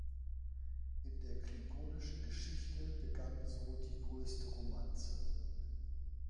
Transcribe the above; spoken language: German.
In der klingonischen Geschichte begann so die größte Romanze.